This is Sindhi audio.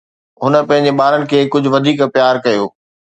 هن پنهنجي ٻارن کي ڪجهه وڌيڪ پيار ڪيو